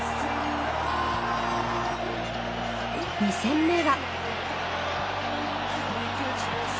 ２戦目は。